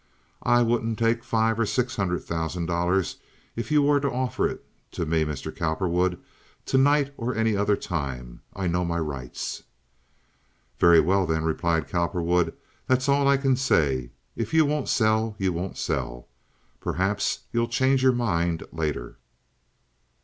"I wouldn't take five or six hundred thousand dollars if you were to offer it to me, Mr. Cowperwood, to night or any other time. I know my rights." "Very well, then," replied Cowperwood, "that's all I can say. If you won't sell, you won't sell. Perhaps you'll change your mind later."